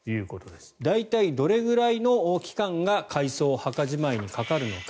大体どれぐらいの期間が改葬・墓じまいにかかるのか。